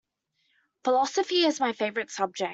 Philosophy is my favorite subject.